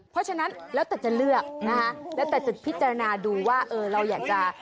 เพราะฉะนั้นแล้วแต่จะเลือกนะคะแล้วแต่จะพิจารณาดูว่าเออเราอยากจะ